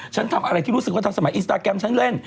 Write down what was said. ฉันทำอะไรที่รู้สึกว่าทำสมัยอินสตาแกรมฉันเล่น